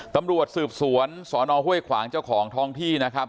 ตำรวจสืบสวนสอนอฮ่วยขวางเจ้าของทองที่